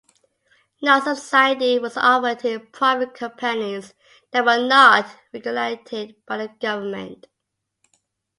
No subsidy was offered to private companies that were not regulated by the government.